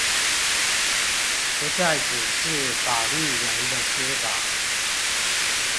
不再只是法律人的司法